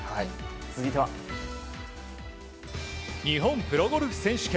日本プロゴルフ選手権。